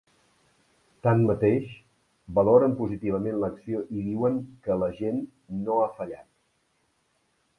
Tanmateix, valoren positivament l’acció i diuen que ‘la gent no ha fallat’.